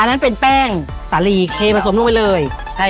อันนั้นเป็นแป้งสาลีเคผสมลงไปเลย